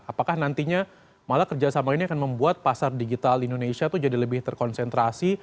apakah nantinya malah kerjasama ini akan membuat pasar digital di indonesia itu jadi lebih terkonsentrasi